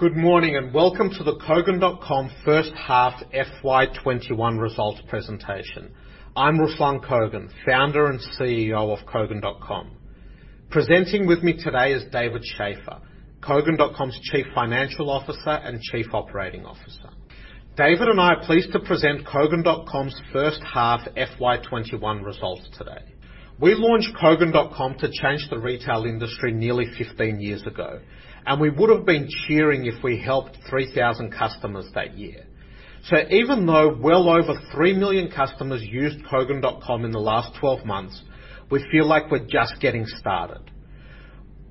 Good morning, welcome to the Kogan.com first half FY21 results presentation. I'm Ruslan Kogan, founder and CEO of Kogan.com. Presenting with me today is David Shafer, Kogan.com's Chief Financial Officer and Chief Operating Officer. David and I are pleased to present Kogan.com's first half FY21 results today. We launched Kogan.com to change the retail industry nearly 15 years ago, and we would've been cheering if we helped 3,000 customers that year. Even though well over 3 million customers used Kogan.com in the last 12 months, we feel like we're just getting started.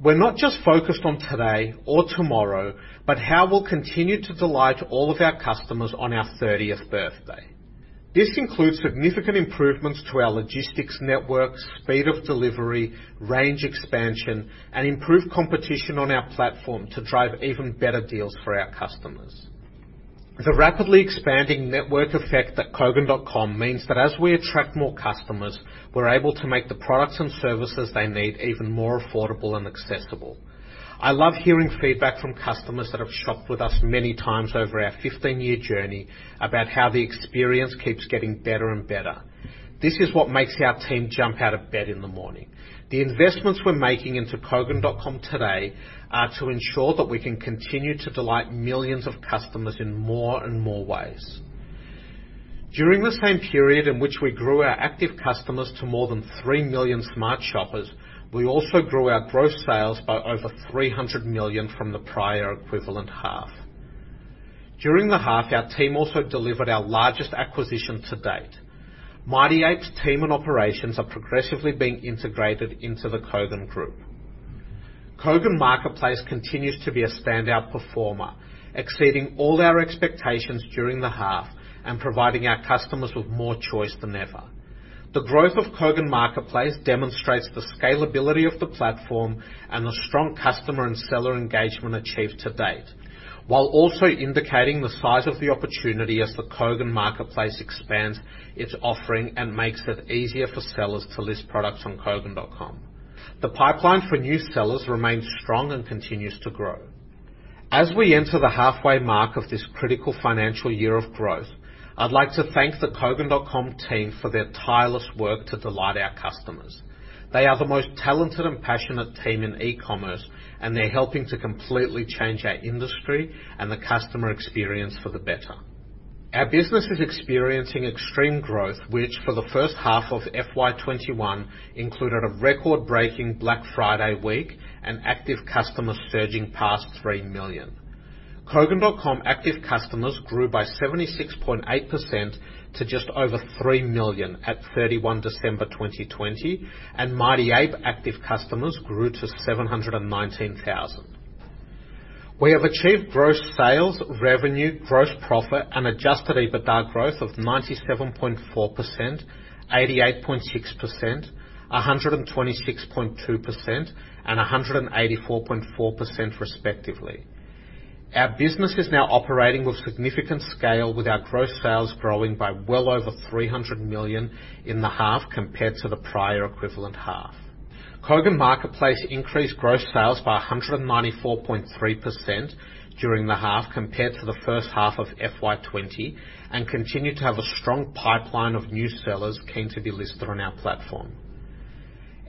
We're not just focused on today or tomorrow, but how we'll continue to delight all of our customers on our 30th birthday. This includes significant improvements to our logistics networks, speed of delivery, range expansion, and improved competition on our platform to drive even better deals for our customers. The rapidly expanding network effect at Kogan.com means that as we attract more customers, we're able to make the products and services they need even more affordable and accessible. I love hearing feedback from customers that have shopped with us many times over our 15-year journey about how the experience keeps getting better and better. This is what makes our team jump out of bed in the morning. The investments we're making into Kogan.com today are to ensure that we can continue to delight millions of customers in more and more ways. During the same period in which we grew our active customers to more than 3 million smart shoppers, we also grew our gross sales by over 300 million from the prior equivalent half. During the half, our team also delivered our largest acquisition to-date. Mighty Ape's team and operations are progressively being integrated into the Kogan Group. Kogan Marketplace continues to be a standout performer, exceeding all our expectations during the half and providing our customers with more choice than ever. The growth of Kogan Marketplace demonstrates the scalability of the platform and the strong customer and seller engagement achieved to-date, while also indicating the size of the opportunity as the Kogan Marketplace expands its offering and makes it easier for sellers to list products on Kogan.com. The pipeline for new sellers remains strong and continues to grow. As we enter the halfway mark of this critical financial year of growth, I'd like to thank the Kogan.com team for their tireless work to delight our customers. They are the most talented and passionate team in e-commerce, and they're helping to completely change our industry and the customer experience for the better. Our business is experiencing extreme growth, which for the first half of FY21 included a record-breaking Black Friday week and active customers surging past 3 million. Kogan.com active customers grew by 76.8% to just over 3 million at 31 December 2020, and Mighty Ape active customers grew to 719,000. We have achieved gross sales, revenue, gross profit, and Adjusted EBITDA growth of 97.4%, 88.6%, 126.2%, and 184.4% respectively. Our business is now operating with significant scale, with our gross sales growing by well over 300 million in the half compared to the prior equivalent half. Kogan Marketplace increased gross sales by 194.3% during the half compared to the first half of FY20 and continued to have a strong pipeline of new sellers keen to be listed on our platform.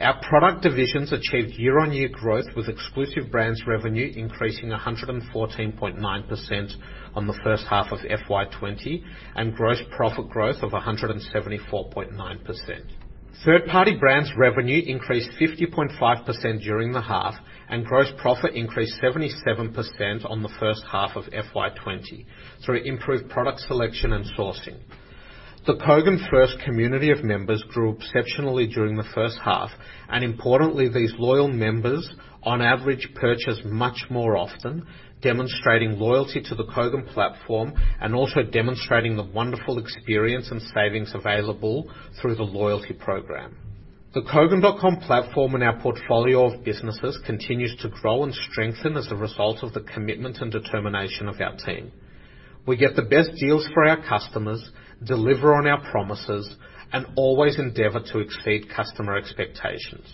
Our product divisions achieved year-on-year growth, with exclusive brands revenue increasing 114.9% on the first half of FY20, and gross profit growth of 174.9%. Third-party brands revenue increased 50.5% during the half, and gross profit increased 77% on the first half of FY20 through improved product selection and sourcing. The Kogan First community of members grew exceptionally during the first half, and importantly, these loyal members on average purchase much more often, demonstrating loyalty to the Kogan platform and also demonstrating the wonderful experience and savings available through the loyalty program. The Kogan.com platform and our portfolio of businesses continues to grow and strengthen as a result of the commitment and determination of our team. We get the best deals for our customers, deliver on our promises, and always endeavor to exceed customer expectations.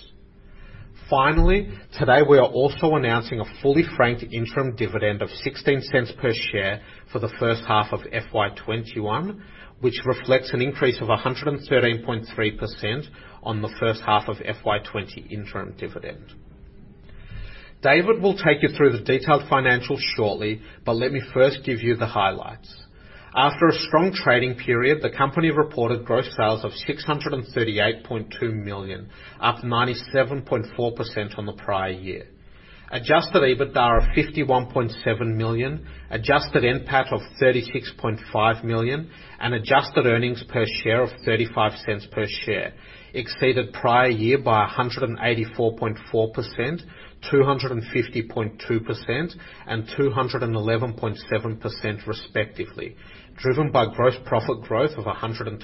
Finally, today, we are also announcing a fully franked interim dividend of 0.16 per share for the first half of FY 2021, which reflects an increase of 113.3% on the first half of FY 2020 interim dividend. David will take you through the detailed financials shortly, but let me first give you the highlights. After a strong trading period, the company reported gross sales of 638.2 million, up 97.4% on the prior year. Adjusted EBITDA of 51.7 million, Adjusted NPAT of 36.5 million, and adjusted earnings per share of 0.35 per share exceeded prior year by 184.4%, 250.2%, and 211.7% respectively, driven by gross profit growth of 126.2%.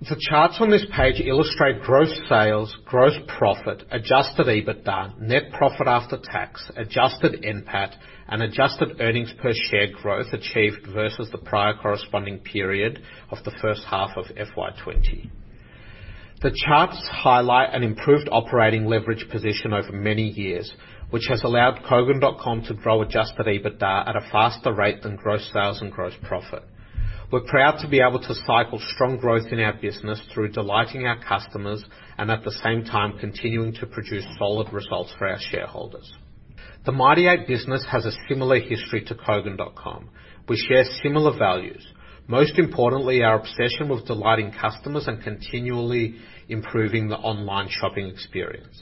The charts on this page illustrate gross sales, gross profit, Adjusted EBITDA, net profit after tax, Adjusted NPAT, and adjusted earnings per share growth achieved versus the prior corresponding period of the first half of FY 2020. The charts highlight an improved operating leverage position over many years, which has allowed Kogan.com to grow Adjusted EBITDA at a faster rate than gross sales and gross profit. We're proud to be able to cycle strong growth in our business through delighting our customers and, at the same time, continuing to produce solid results for our shareholders. The Mighty Ape business has a similar history to Kogan.com. We share similar values, most importantly, our obsession with delighting customers and continually improving the online shopping experience.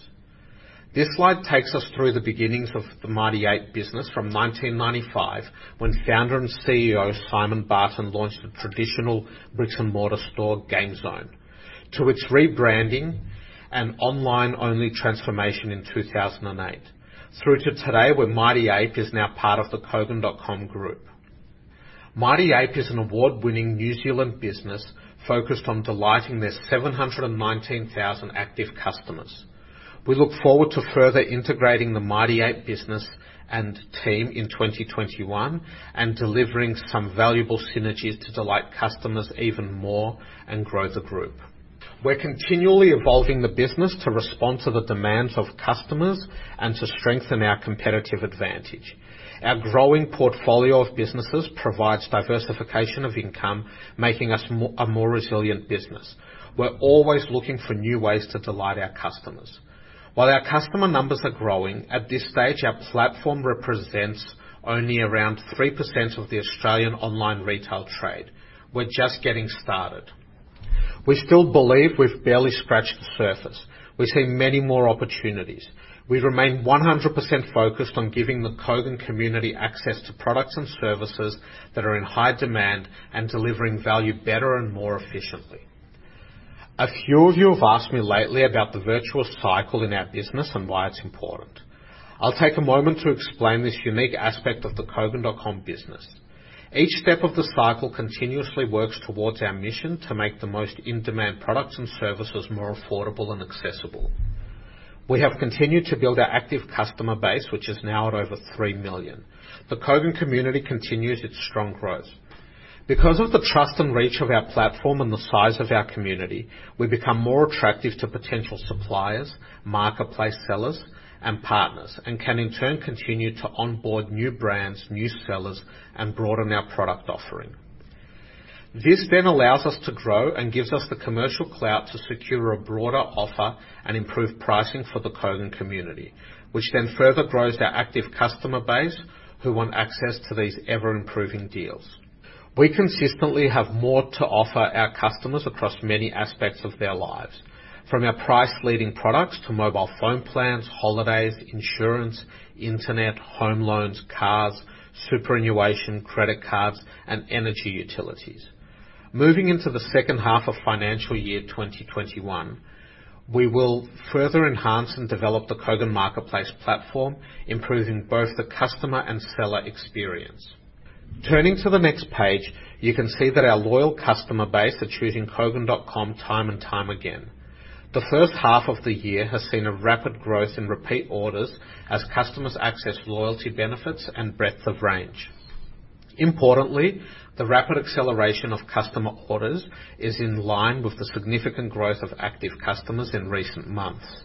This slide takes us through the beginnings of the Mighty Ape business from 1995, when Founder and CEO Simon Barton launched the traditional brick-and-mortar store GameZone, to its rebranding and online-only transformation in 2008, through to today, where Mighty Ape is now part of the Kogan Group. Mighty Ape is an award-winning New Zealand business focused on delighting their 719,000 active customers. We look forward to further integrating the Mighty Ape business and team in 2021 and delivering some valuable synergies to delight customers even more and grow the group. We're continually evolving the business to respond to the demands of customers and to strengthen our competitive advantage. Our growing portfolio of businesses provides diversification of income, making us a more resilient business. We're always looking for new ways to delight our customers. While our customer numbers are growing, at this stage, our platform represents only around 3% of the Australian online retail trade. We're just getting started. We still believe we've barely scratched the surface. We see many more opportunities. We remain 100% focused on giving the Kogan community access to products and services that are in high demand and delivering value better and more efficiently. A few of you have asked me lately about the virtuous cycle in our business and why it's important. I'll take a moment to explain this unique aspect of the Kogan.com business. Each step of the cycle continuously works towards our mission to make the most in-demand products and services more affordable and accessible. We have continued to build our active customer base, which is now at over 3 million. The Kogan community continues its strong growth. Because of the trust and reach of our platform and the size of our community, we become more attractive to potential suppliers, marketplace sellers, and partners, and can in turn continue to onboard new brands, new sellers, and broaden our product offering. This then allows us to grow and gives us the commercial clout to secure a broader offer and improve pricing for the Kogan community, which then further grows our active customer base, who want access to these ever-improving deals. We consistently have more to offer our customers across many aspects of their lives, from our price-leading products to mobile phone plans, holidays, insurance, internet, home loans, cars, superannuation, credit cards, and energy utilities. Moving into the second half of financial year 2021, we will further enhance and develop the Kogan Marketplace platform, improving both the customer and seller experience. Turning to the next page, you can see that our loyal customer base are choosing Kogan.com time and time again. The first half of the year has seen a rapid growth in repeat orders as customers access loyalty benefits and breadth of range. Importantly, the rapid acceleration of customer orders is in line with the significant growth of active customers in recent months.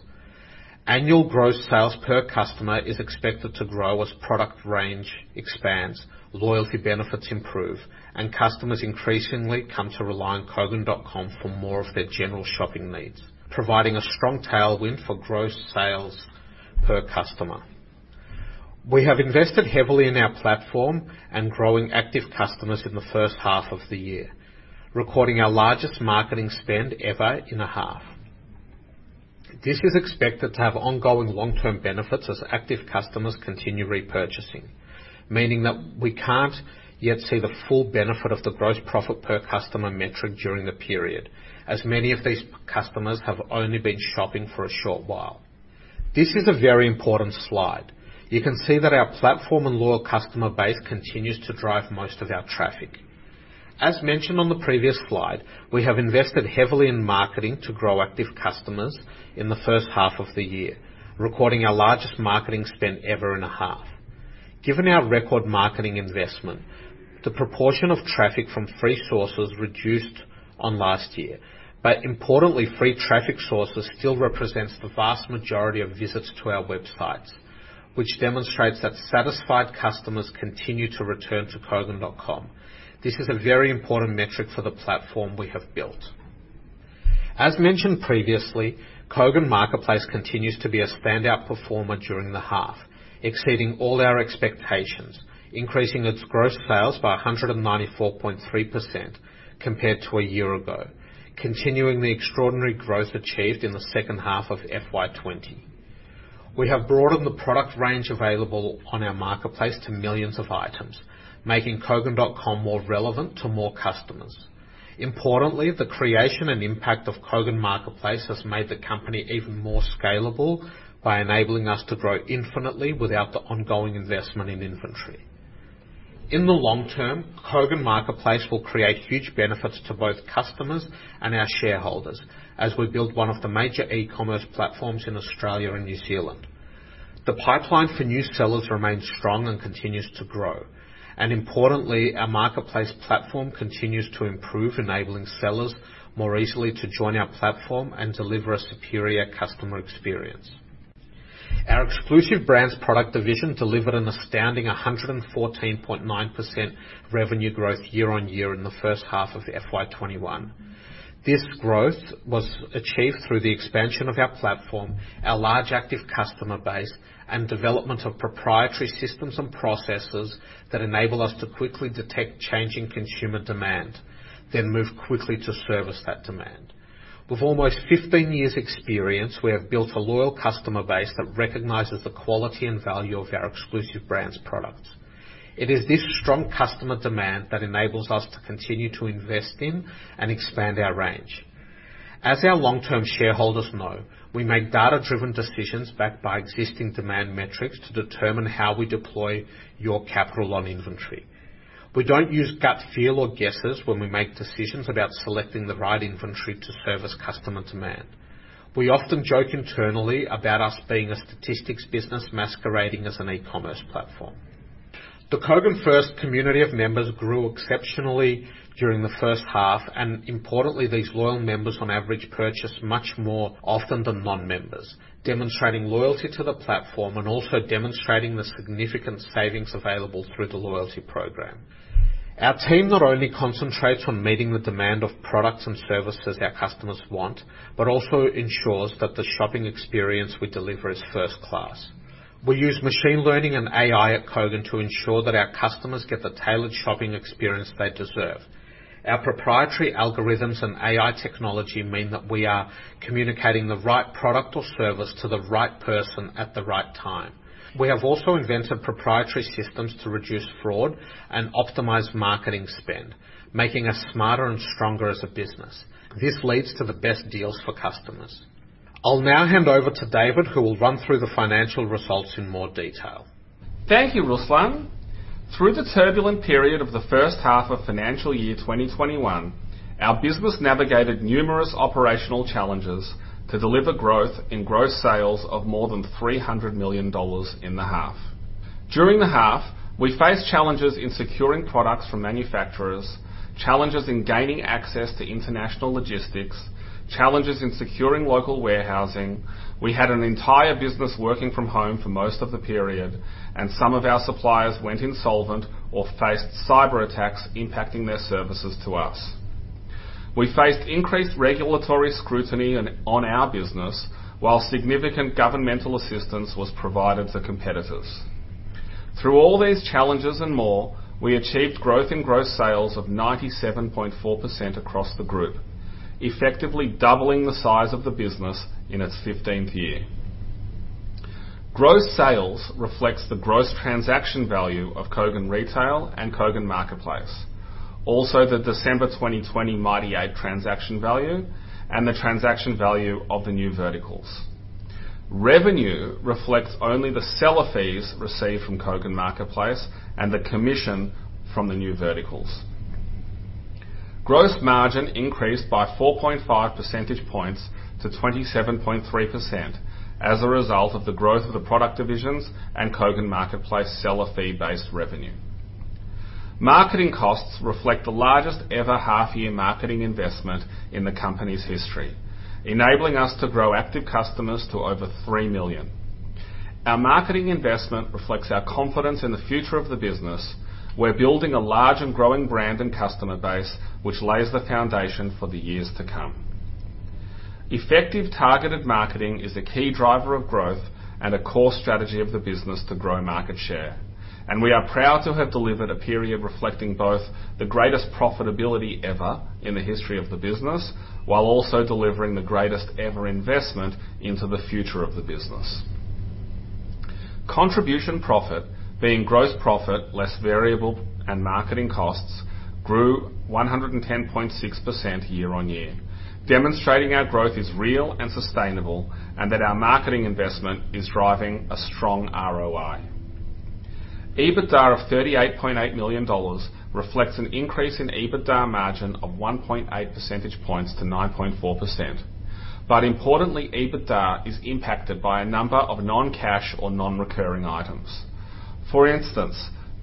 Annual gross sales per customer is expected to grow as product range expands, loyalty benefits improve, and customers increasingly come to rely on Kogan.com for more of their general shopping needs, providing a strong tailwind for gross sales per customer. We have invested heavily in our platform and growing active customers in the first half of the year, recording our largest marketing spend ever in a half. This is expected to have ongoing long-term benefits as active customers continue repurchasing, meaning that we can't yet see the full benefit of the gross profit per customer metric during the period, as many of these customers have only been shopping for a short while. This is a very important slide. You can see that our platform and loyal customer base continues to drive most of our traffic. As mentioned on the previous slide, we have invested heavily in marketing to grow active customers in the first half of the year, recording our largest marketing spend ever in a half. Given our record marketing investment, the proportion of traffic from free sources reduced on last year. Importantly, free traffic sources still represents the vast majority of visits to our websites, which demonstrates that satisfied customers continue to return to Kogan.com. This is a very important metric for the platform we have built. As mentioned previously, Kogan Marketplace continues to be a standout performer during the half, exceeding all our expectations, increasing its gross sales by 194.3% compared to a year ago, continuing the extraordinary growth achieved in the second half of FY20. We have broadened the product range available on our marketplace to millions of items, making Kogan.com more relevant to more customers. Importantly, the creation and impact of Kogan Marketplace has made the company even more scalable by enabling us to grow infinitely without the ongoing investment in inventory. In the long term, Kogan Marketplace will create huge benefits to both customers and our shareholders as we build one of the major e-commerce platforms in Australia and New Zealand. The pipeline for new sellers remains strong and continues to grow. Importantly, our marketplace platform continues to improve, enabling sellers more easily to join our platform and deliver a superior customer experience. Our exclusive brands product division delivered an astounding 114.9% revenue growth year-over-year in the first half of FY 2021. This growth was achieved through the expansion of our platform, our large active customer base, and development of proprietary systems and processes that enable us to quickly detect changing consumer demand, then move quickly to service that demand. With almost 15 years experience, we have built a loyal customer base that recognizes the quality and value of our exclusive brands products. It is this strong customer demand that enables us to continue to invest in and expand our range. As our long-term shareholders know, we make data-driven decisions backed by existing demand metrics to determine how we deploy your capital on inventory. We don't use gut feel or guesses when we make decisions about selecting the right inventory to service customer demand. We often joke internally about us being a statistics business masquerading as an e-commerce platform. The Kogan First community of members grew exceptionally during the first half, and importantly, these loyal members on average purchase much more often than non-members, demonstrating loyalty to the platform and also demonstrating the significant savings available through the loyalty program. Our team not only concentrates on meeting the demand of products and services our customers want, but also ensures that the shopping experience we deliver is first class. We use machine learning and AI at Kogan to ensure that our customers get the tailored shopping experience they deserve. Our proprietary algorithms and AI technology mean that we are communicating the right product or service to the right person at the right time. We have also invented proprietary systems to reduce fraud and optimize marketing spend, making us smarter and stronger as a business. This leads to the best deals for customers. I'll now hand over to David, who will run through the financial results in more detail. Thank you, Ruslan. Through the turbulent period of the first half of financial year 2021, our business navigated numerous operational challenges to deliver growth in gross sales of more than 300 million dollars in the half. During the half, we faced challenges in securing products from manufacturers, challenges in gaining access to international logistics, challenges in securing local warehousing. We had an entire business working from home for most of the period, and some of our suppliers went insolvent or faced cyber attacks impacting their services to us. We faced increased regulatory scrutiny on our business while significant governmental assistance was provided to competitors. Through all these challenges and more, we achieved growth in gross sales of 97.4% across the group, effectively doubling the size of the business in its 15th year. Gross sales reflects the gross transaction value of Kogan Retail and Kogan Marketplace. Also, the December 2020 Mighty Ape transaction value and the transaction value of the new verticals. Revenue reflects only the seller fees received from Kogan Marketplace and the commission from the new verticals. Gross margin increased by 4.5 percentage points to 27.3% as a result of the growth of the product divisions and Kogan Marketplace seller fee-based revenue. Marketing costs reflect the largest ever half-year marketing investment in the company's history, enabling us to grow active customers to over 3 million. Our marketing investment reflects our confidence in the future of the business. We're building a large and growing brand and customer base, which lays the foundation for the years to come. Effective targeted marketing is a key driver of growth and a core strategy of the business to grow market share, and we are proud to have delivered a period reflecting both the greatest profitability ever in the history of the business, while also delivering the greatest ever investment into the future of the business. Contribution profit, being gross profit less variable and marketing costs, grew 110.6% year-on-year, demonstrating our growth is real and sustainable, and that our marketing investment is driving a strong ROI. EBITDA of AUD 38.8 million reflects an increase in EBITDA margin of 1.8 percentage points to 9.4%. Importantly, EBITDA is impacted by a number of non-cash or non-recurring items. For instance,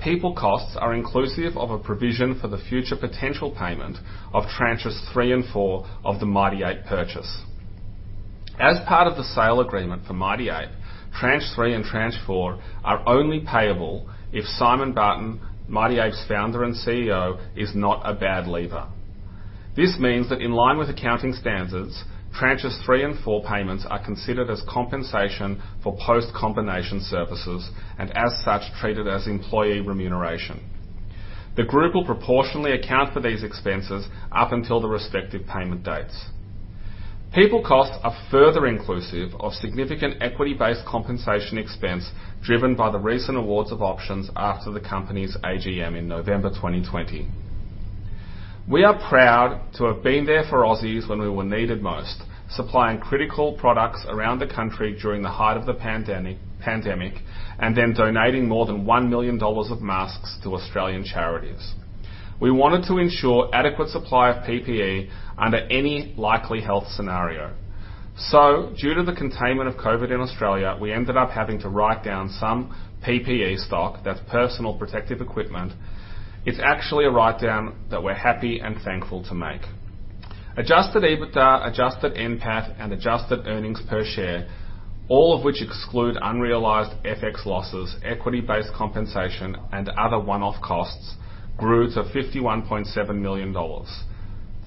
people costs are inclusive of a provision for the future potential payment of tranches three and four of the Mighty Ape purchase. As part of the sale agreement for Mighty Ape, Tranche 3 and Tranche 4 are only payable if Simon Barton, Mighty Ape's founder and CEO, is not a bad leaver. This means that in line with accounting standards, tranches three and four payments are considered as compensation for post-combination services, and as such, treated as employee remuneration. The group will proportionally account for these expenses up until the respective payment dates. People costs are further inclusive of significant equity-based compensation expense driven by the recent awards of options after the company's AGM in November 2020. We are proud to have been there for Aussies when we were needed most, supplying critical products around the country during the height of the pandemic, and then donating more than 1 million dollars of masks to Australian charities. We wanted to ensure adequate supply of PPE under any likely health scenario. Due to the containment of COVID in Australia, we ended up having to write down some PPE stock, that's personal protective equipment. It's actually a write-down that we're happy and thankful to make. Adjusted EBITDA, Adjusted NPAT, and adjusted earnings per share, all of which exclude unrealized FX losses, equity-based compensation, and other one-off costs, grew to 51.7 million dollars,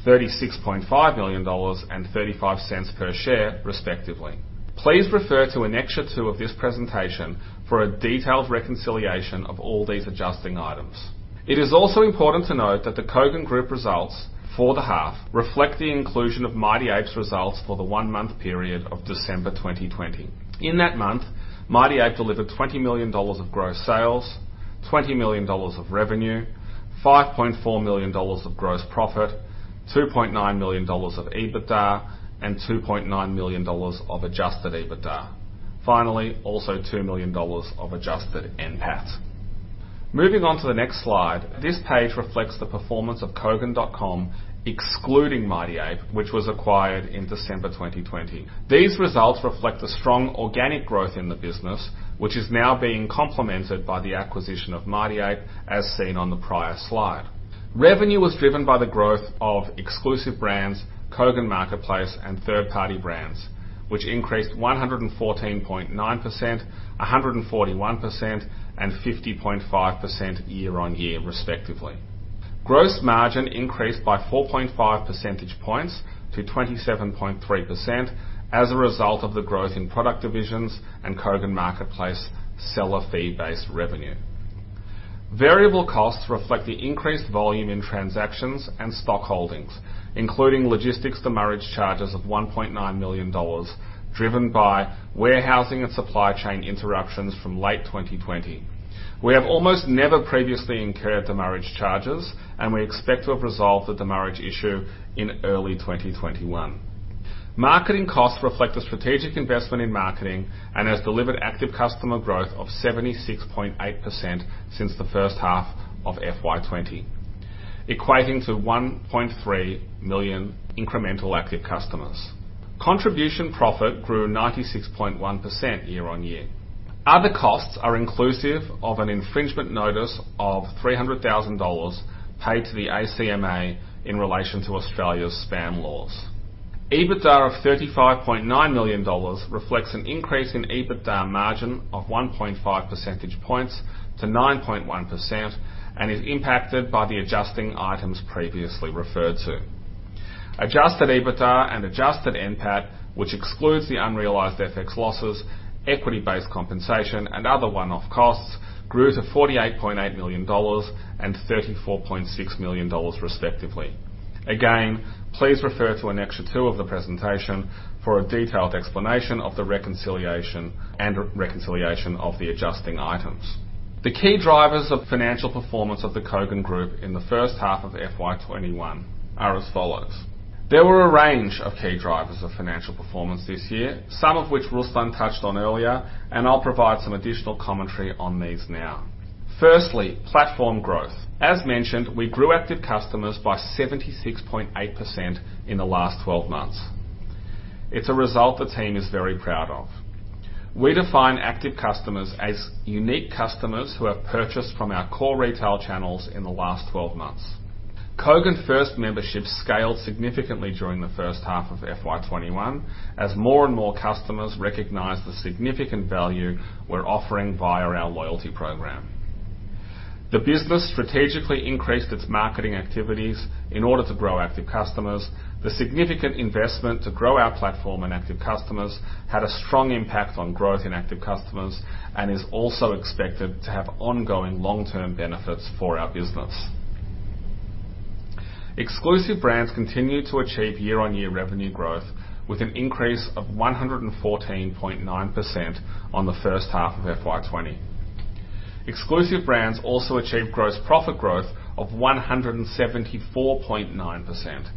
36.5 million dollars, and 0.35 per share, respectively. Please refer to Annexure Two of this presentation for a detailed reconciliation of all these adjusting items. It is also important to note that the Kogan Group results for the half reflect the inclusion of Mighty Ape's results for the one-month period of December 2020. In that month, Mighty Ape delivered 20 million dollars of gross sales, 20 million dollars of revenue, 5.4 million dollars of gross profit, 2.9 million dollars of EBITDA, and 2.9 million dollars of Adjusted EBITDA. Finally, also 2 million dollars of Adjusted NPAT. Moving on to the next slide. This page reflects the performance of Kogan.com, excluding Mighty Ape, which was acquired in December 2020. These results reflect the strong organic growth in the business, which is now being complemented by the acquisition of Mighty Ape, as seen on the prior slide. Revenue was driven by the growth of exclusive brands, Kogan Marketplace, and third-party brands, which increased 114.9%, 141%, and 50.5% year-on-year respectively. Gross margin increased by 4.5 percentage points to 27.3% as a result of the growth in product divisions and Kogan Marketplace seller fee-based revenue. Variable costs reflect the increased volume in transactions and stock holdings, including logistics demurrage charges of 1.9 million dollars, driven by warehousing and supply chain interruptions from late 2020. We have almost never previously incurred demurrage charges, and we expect to have resolved the demurrage issue in early 2021. Marketing costs reflect a strategic investment in marketing and has delivered active customer growth of 76.8% since the first half of FY20, equating to 1.3 million incremental active customers. Contribution profit grew 96.1% year-on-year. Other costs are inclusive of an infringement notice of 300,000 dollars paid to the ACMA in relation to Australia's spam laws. EBITDA of 35.9 million dollars reflects an increase in EBITDA margin of 1.5 percentage points to 9.1% and is impacted by the adjusting items previously referred to. Adjusted EBITDA and Adjusted NPAT, which excludes the unrealized FX losses, equity-based compensation, and other one-off costs, grew to 48.8 million dollars and 34.6 million dollars, respectively. Again, please refer to Annexure Two of the presentation for a detailed explanation of the reconciliation and reconciliation of the adjusting items. The key drivers of financial performance of the Kogan Group in the first half of FY21 are as follows. There were a range of key drivers of financial performance this year, some of which Ruslan touched on earlier, and I'll provide some additional commentary on these now. Firstly, platform growth. As mentioned, we grew active customers by 76.8% in the last 12 months. It's a result the team is very proud of. We define active customers as unique customers who have purchased from our core retail channels in the last 12 months. Kogan First membership scaled significantly during the first half of FY21, as more and more customers recognized the significant value we're offering via our loyalty program. The business strategically increased its marketing activities in order to grow active customers. The significant investment to grow our platform and active customers had a strong impact on growth in active customers and is also expected to have ongoing long-term benefits for our business. Exclusive brands continue to achieve year-on-year revenue growth with an increase of 114.9% on the first half of FY 2020. Exclusive brands also achieved gross profit growth of 174.9%,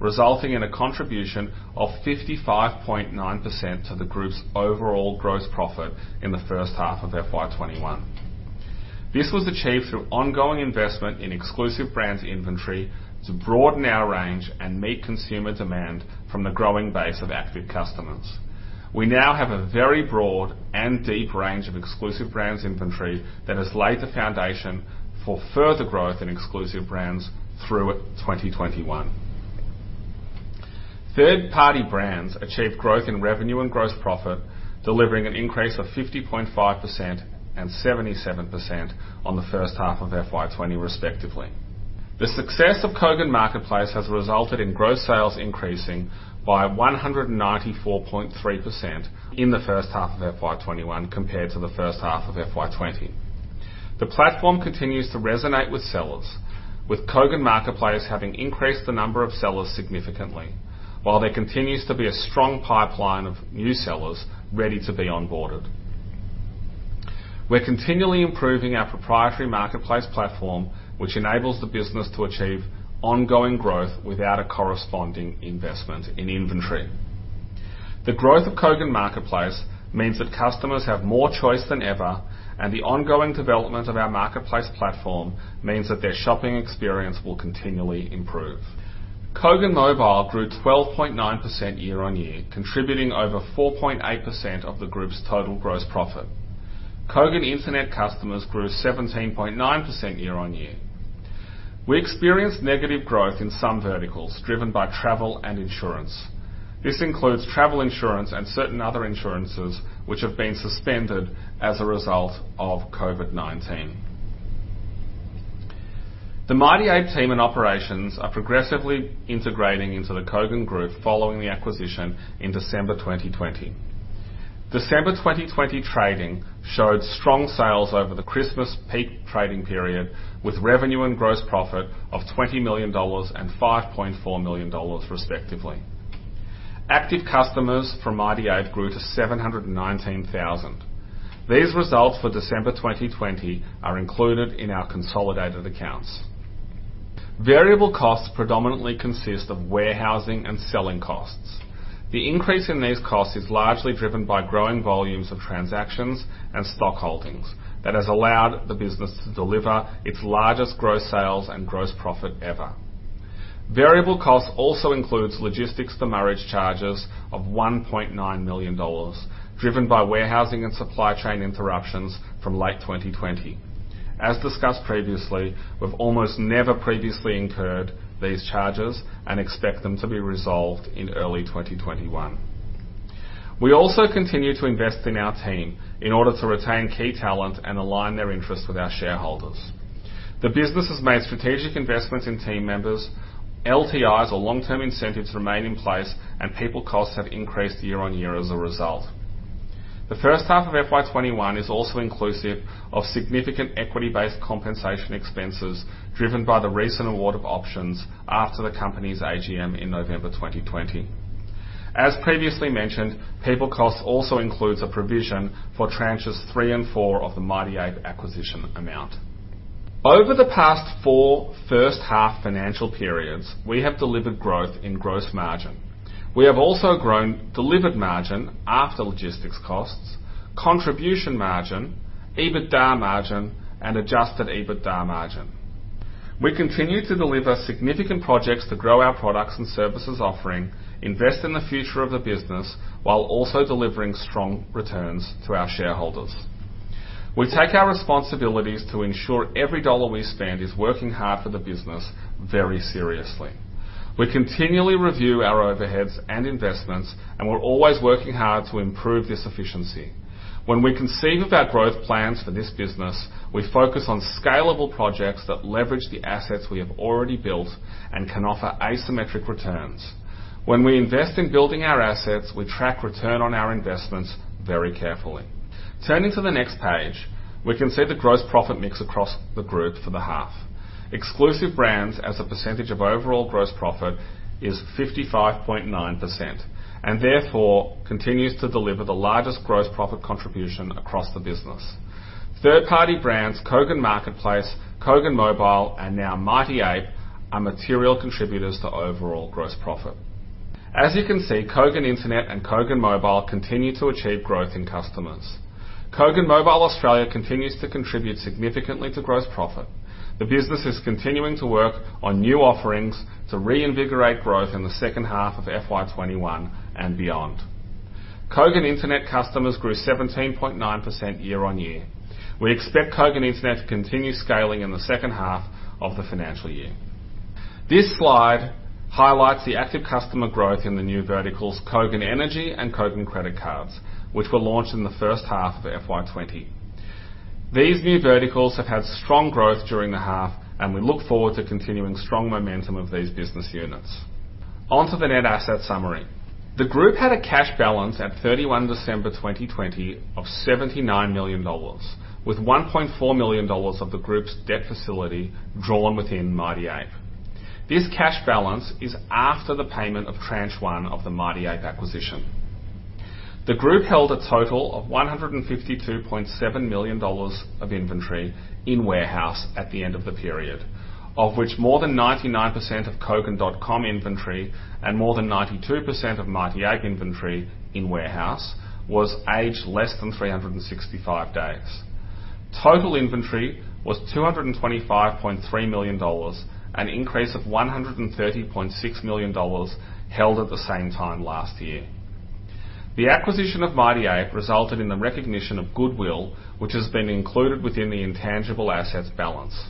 resulting in a contribution of 55.9% to the group's overall gross profit in the first half of FY 2021. This was achieved through ongoing investment in exclusive brands inventory to broaden our range and meet consumer demand from the growing base of active customers. We now have a very broad and deep range of exclusive brands inventory that has laid the foundation for further growth in exclusive brands through 2021. Third-party brands achieved growth in revenue and gross profit, delivering an increase of 50.5% and 77% on the first half of FY 2020, respectively. The success of Kogan Marketplace has resulted in gross sales increasing by 194.3% in the first half of FY 2021 compared to the first half of FY 2020. The platform continues to resonate with sellers, with Kogan Marketplace having increased the number of sellers significantly, while there continues to be a strong pipeline of new sellers ready to be onboarded. We're continually improving our proprietary marketplace platform, which enables the business to achieve ongoing growth without a corresponding investment in inventory. The growth of Kogan Marketplace means that customers have more choice than ever, and the ongoing development of our Marketplace platform means that their shopping experience will continually improve. Kogan Mobile grew 12.9% year-on-year, contributing over 4.8% of the group's total gross profit. Kogan Internet customers grew 17.9% year-on-year. We experienced negative growth in some verticals, driven by travel and insurance. This includes travel insurance and certain other insurances, which have been suspended as a result of COVID-19. The Mighty Ape team and operations are progressively integrating into the Kogan Group following the acquisition in December 2020. December 2020 trading showed strong sales over the Christmas peak trading period, with revenue and gross profit of 20 million dollars and 5.4 million dollars respectively. Active customers from Mighty Ape grew to 719,000. These results for December 2020 are included in our consolidated accounts. Variable costs predominantly consist of warehousing and selling costs. The increase in these costs is largely driven by growing volumes of transactions and stock holdings that has allowed the business to deliver its largest gross sales and gross profit ever. Variable costs also includes logistics demurrage charges of 1.9 million dollars, driven by warehousing and supply chain interruptions from late 2020. As discussed previously, we've almost never previously incurred these charges and expect them to be resolved in early 2021. We also continue to invest in our team in order to retain key talent and align their interests with our shareholders. The business has made strategic investments in team members. LTIs, or long-term incentives, remain in place, and people costs have increased year-on-year as a result. The first-half of FY21 is also inclusive of significant equity-based compensation expenses driven by the recent award of options after the company's AGM in November 2020. As previously mentioned, people costs also includes a provision for tranches three and four of the Mighty Ape acquisition amount. Over the past four first-half financial periods, we have delivered growth in gross margin. We have also grown delivered margin after logistics costs, contribution margin, EBITDA margin, and Adjusted EBITDA margin. We continue to deliver significant projects to grow our products and services offering, invest in the future of the business, while also delivering strong returns to our shareholders. We take our responsibilities to ensure every dollar we spend is working hard for the business very seriously. We continually review our overheads and investments, and we're always working hard to improve this efficiency. When we conceive of our growth plans for this business, we focus on scalable projects that leverage the assets we have already built and can offer asymmetric returns. When we invest in building our assets, we track return on our investments very carefully. Turning to the next page, we can see the gross profit mix across the group for the half. Exclusive brands as a percentage of overall gross profit is 55.9%, and therefore continues to deliver the largest gross profit contribution across the business. Third-party brands, Kogan Marketplace, Kogan Mobile, and now Mighty Ape, are material contributors to overall gross profit. As you can see, Kogan Internet and Kogan Mobile continue to achieve growth in customers. Kogan Mobile Australia continues to contribute significantly to gross profit. The business is continuing to work on new offerings to reinvigorate growth in the second half of FY 2021 and beyond. Kogan Internet customers grew 17.9% year-on-year. We expect Kogan Internet to continue scaling in the second half of the financial year. This slide highlights the active customer growth in the new verticals, Kogan Energy and Kogan Credit Cards, which were launched in the first half of FY 2020. These new verticals have had strong growth during the half, and we look forward to continuing strong momentum of these business units. Onto the net asset summary. The group had a cash balance at 31 December 2020 of AUD 79 million, with AUD 1.4 million of the group's debt facility drawn within Mighty Ape. This cash balance is after the payment of Tranche 1 of the Mighty Ape acquisition. The group held a total of 152.7 million dollars of inventory in warehouse at the end of the period, of which more than 99% of Kogan.com inventory and more than 92% of Mighty Ape inventory in warehouse was aged less than 365 days. Total inventory was 225.3 million dollars, an increase of 130.6 million dollars held at the same time last year. The acquisition of Mighty Ape resulted in the recognition of goodwill, which has been included within the intangible assets balance.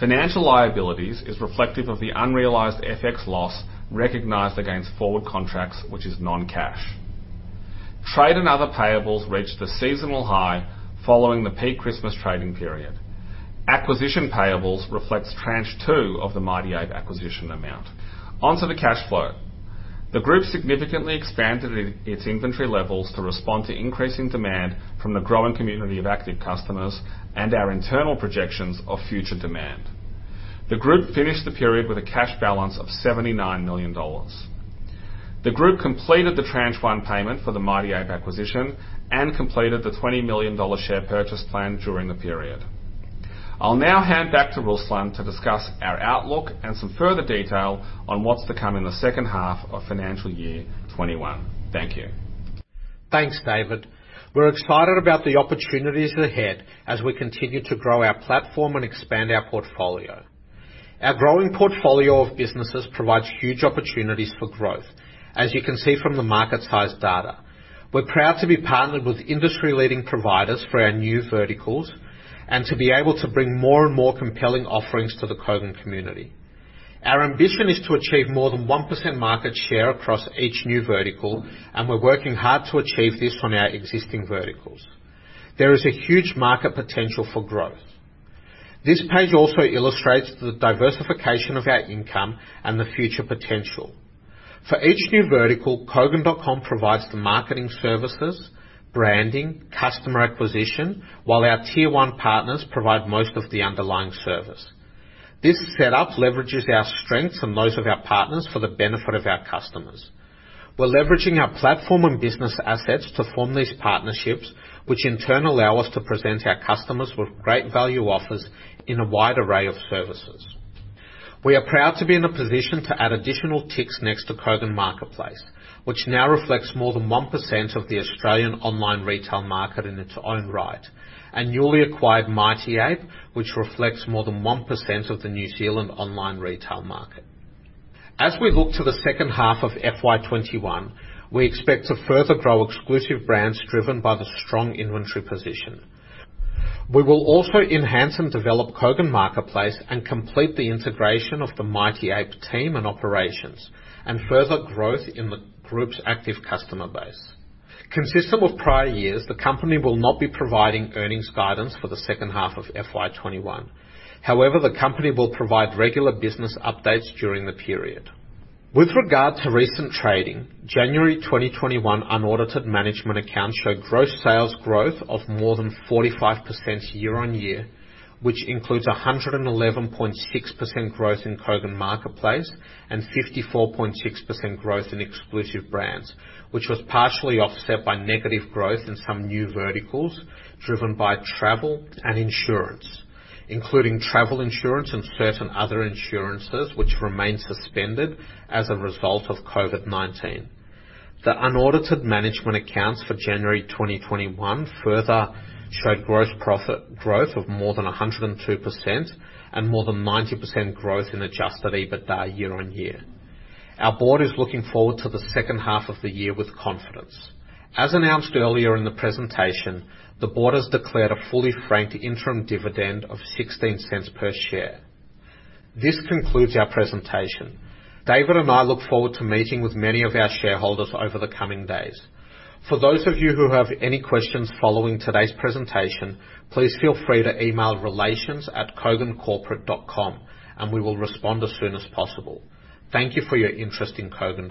Financial liabilities is reflective of the unrealized FX loss recognized against forward contracts, which is non-cash. Trade and other payables reached the seasonal high following the peak Christmas trading period. Acquisition payables reflects Tranche 2 of the Mighty Ape acquisition amount. Onto the cash flow. The group significantly expanded its inventory levels to respond to increasing demand from the growing community of active customers and our internal projections of future demand. The group finished the period with a cash balance of 79 million dollars. The group completed the Tranche 1 payment for the Mighty Ape acquisition and completed the 20 million dollar share purchase plan during the period. I'll now hand back to Ruslan to discuss our outlook and some further detail on what's to come in the second half of FY 2021. Thank you. Thanks, David. We're excited about the opportunities ahead as we continue to grow our platform and expand our portfolio. Our growing portfolio of businesses provides huge opportunities for growth, as you can see from the market size data. We're proud to be partnered with industry-leading providers for our new verticals and to be able to bring more and more compelling offerings to the Kogan community. Our ambition is to achieve more than 1% market share across each new vertical, and we're working hard to achieve this on our existing verticals. There is a huge market potential for growth. This page also illustrates the diversification of our income and the future potential. For each new vertical, Kogan.com provides the marketing services, branding, customer acquisition, while our Tier 1 partners provide most of the underlying service. This setup leverages our strengths and those of our partners for the benefit of our customers. We're leveraging our platform and business assets to form these partnerships, which in turn allow us to present our customers with great value offers in a wide array of services. We are proud to be in a position to add additional ticks next to Kogan Marketplace, which now reflects more than 1% of the Australian online retail market in its own right, and newly acquired Mighty Ape, which reflects more than 1% of the New Zealand online retail market. As we look to the second half of FY 2021, we expect to further grow exclusive brands driven by the strong inventory position. We will also enhance and develop Kogan Marketplace and complete the integration of the Mighty Ape team and operations, and further growth in the Group's active customer base. Consistent with prior years, the company will not be providing earnings guidance for the second half of FY 2021. However, the company will provide regular business updates during the period. With regard to recent trading, January 2021 unaudited management accounts show gross sales growth of more than 45% year-on-year, which includes 111.6% growth in Kogan Marketplace and 54.6% growth in exclusive brands, which was partially offset by negative growth in some new verticals driven by travel and insurance, including travel insurance and certain other insurances which remain suspended as a result of COVID-19. The unaudited management accounts for January 2021 further showed gross profit growth of more than 102% and more than 90% growth in Adjusted EBITDA year-on-year. Our board is looking forward to the second half of the year with confidence. As announced earlier in the presentation, the board has declared a fully franked interim dividend of 0.16 per share. This concludes our presentation. David and I look forward to meeting with many of our shareholders over the coming days. For those of you who have any questions following today's presentation, please feel free to email relations@kogancorporate.com and we will respond as soon as possible. Thank you for your interest in Kogan.com.